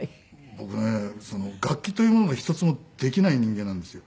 僕ね楽器というものが１つもできない人間なんですよ。